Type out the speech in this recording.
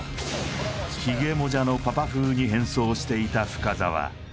ヒゲモジャのパパ風に変装していた深澤